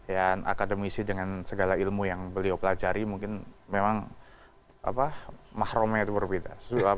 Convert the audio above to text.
ya akademisi dengan segala ilmu yang beliau pelajari mungkin memang mahrumnya itu berbeda